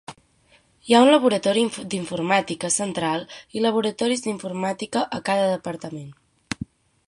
Hi ha un laboratori d'informàtica central i laboratoris d'informàtica a cada departament.